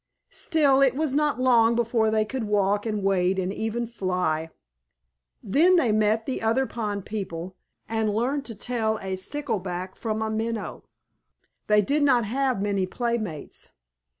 Still, it was not long before they could walk and wade and even fly. Then they met the other pond people, and learned to tell a Stickleback from a Minnow. They did not have many playmates.